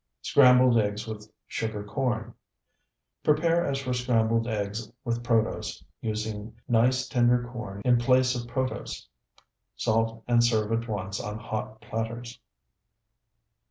SCRAMBLED EGGS WITH SUGAR CORN Prepare as for scrambled eggs with protose, using nice, tender corn in place of protose. Salt and serve at once on hot platters.